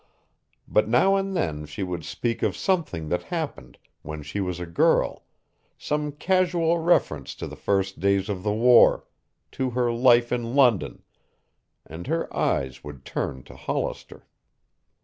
But now and then she would speak of something that happened when she was a girl, some casual reference to the first days of the war, to her life in London, and her eyes would turn to Hollister.